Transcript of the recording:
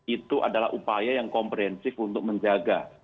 itu adalah upaya yang komprehensif untuk menjaga